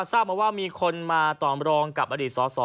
ทราบมาว่ามีคนมาต่อมรองกับอดีตสส